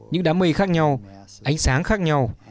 những đám mây khác nhau ánh sáng khác nhau